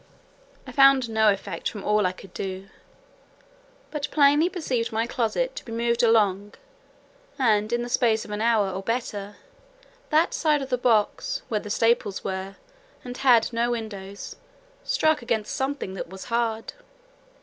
I found no effect from all I could do, but plainly perceived my closet to be moved along; and in the space of an hour, or better, that side of the box where the staples were, and had no windows, struck against something that was hard.